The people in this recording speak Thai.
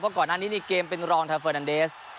เพราะก่อนหน้านี้เกมเป็นรองท่าเฟอร์นานเดส